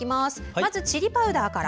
まずチリパウダーから。